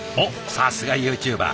さすがＹｏｕＴｕｂｅｒ。